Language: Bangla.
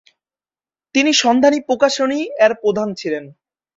তিনি সন্ধানী প্রকাশনী এর প্রধান ছিলেন।